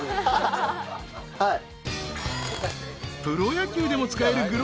［プロ野球でも使える］